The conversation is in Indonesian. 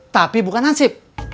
tapi bukan hansib